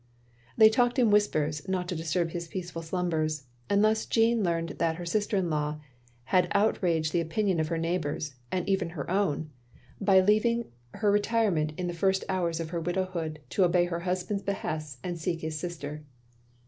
They talked in whisper^, not to disturb his peaceful slumbers; and thus Jeanne leamt that her sister in law had outraged the opinion of her neighbours, and even her own — by leaving her 344 THE LONELY LADY retirement in the first hours of her widowhood to obey her husband's behests, and seek his sister.